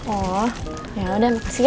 oh yaudah makasih ya